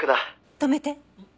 止めて。